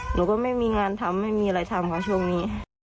หนูก็ไม่มีงานทำไม่มีอะไรทำค่ะช่วงนี้